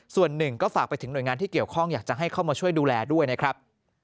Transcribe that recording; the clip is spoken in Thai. ส่วนหนึ่งก็ฝากไปถึงหน่วยงานที่เกี่ยวข้องอยากจะให้เข้ามาช่วยดูแลด้วยนะครับ